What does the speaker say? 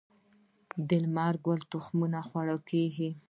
د لمر ګل تخمونه خوړل کیږي